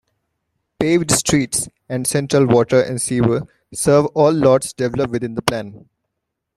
Paved streets and central water and sewer serve all lots developed within the plan.